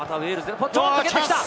おっと！出てきた！